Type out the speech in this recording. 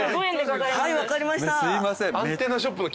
はい分かりました。